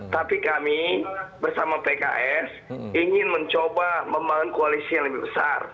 tapi kami bersama pks ingin mencoba membangun koalisi yang lebih besar